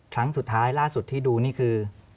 ครั้งสุดท้ายล่าสุดที่ดูนี่คือ